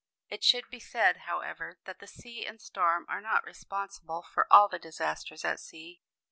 It should be said, however, that the sea and storm are not responsible for all the disasters at sea.